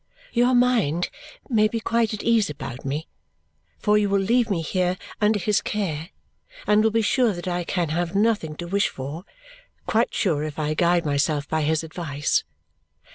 Your mind may be quite at ease about me, for you will leave me here under his care and will be sure that I can have nothing to wish for quite sure if I guide myself by his advice.